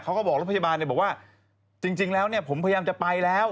เขาก็บอกรถพยาบาลเลยบอกว่าจริงแล้วเนี่ยผมพยายามจะไปแล้ว